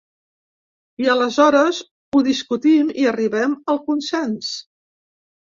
I aleshores ho discutim i arribem al consens.